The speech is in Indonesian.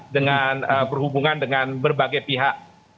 dengan berhubungan dengan berbagai pihak